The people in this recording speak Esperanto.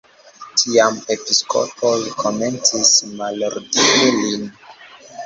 Tiam episkopoj komencis malordini lin.